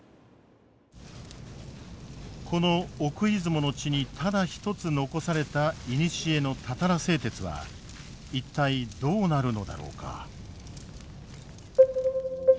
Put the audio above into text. この奥出雲の地にただ一つ残された古のたたら製鉄は一体どうなるのだろうか。